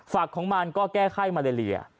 ฝักของมันก็แก้ไข้มาเลเลีย